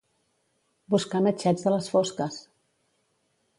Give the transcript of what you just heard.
Buscar matxets a les fosques.